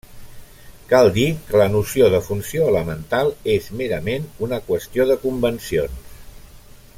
Cal dir que la noció de funció elemental és merament una qüestió de convencions.